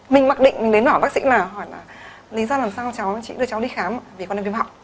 mình mặc định mình đến hỏi bác sĩ là hỏi là lý do làm sao cháu chỉ đưa cháu đi khám vì con em viêm họng